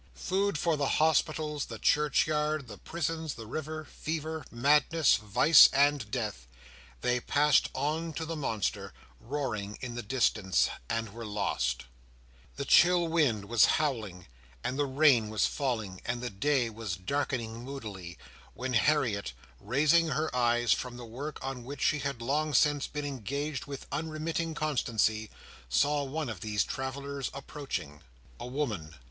Food for the hospitals, the churchyards, the prisons, the river, fever, madness, vice, and death,—they passed on to the monster, roaring in the distance, and were lost. The chill wind was howling, and the rain was falling, and the day was darkening moodily, when Harriet, raising her eyes from the work on which she had long since been engaged with unremitting constancy, saw one of these travellers approaching. A woman.